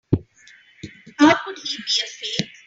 How could he be a fake?